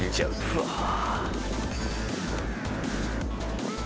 うわあ。